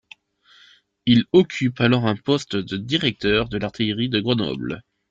Il occupe alors un poste de directeur de l'artillerie à Grenoble.